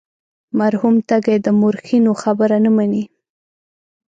مرحوم تږی د مورخینو خبره نه مني.